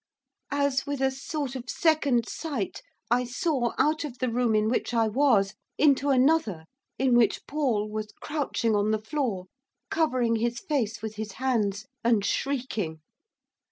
As with a sort of second sight, I saw out of the room in which I was, into another, in which Paul was crouching on the floor, covering his face with his hands, and shrieking.